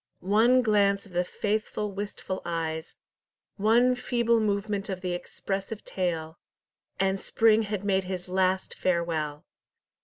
One glance of the faithful wistful eyes, one feeble movement of the expressive tail, and Spring had made his last farewell!